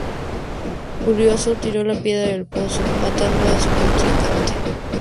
Furioso, tiró la piedra al pozo, matando a su contrincante.